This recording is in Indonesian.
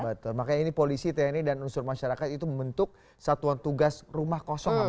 betul makanya ini polisi tni dan unsur masyarakat itu membentuk satuan tugas rumah kosong